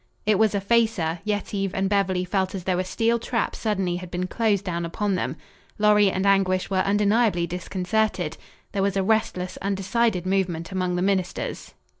It was a facer, Yetive and Beverly felt as though a steel trap suddenly had been closed down upon them. Lorry and Anguish were undeniably disconcerted. There was a restless, undecided movement among the ministers.